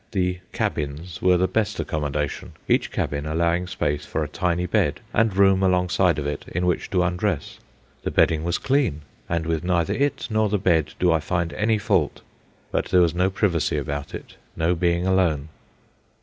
The "cabins" were the best accommodation, each cabin allowing space for a tiny bed and room alongside of it in which to undress. The bedding was clean, and with neither it nor the bed do I find any fault. But there was no privacy about it, no being alone.